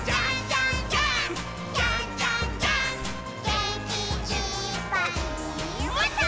「げんきいっぱいもっと」